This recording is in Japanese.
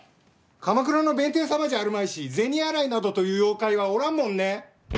鎌倉の弁天様じゃあるまいし銭洗いなどという妖怪はおらんもんね。